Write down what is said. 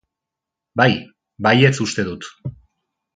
Bai, baietz uste dut.